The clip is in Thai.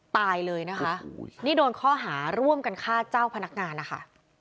ตายเลยนะคะนี่โดนข้อหาร่วมกันฆ่าเจ้าพนักงานนะคะ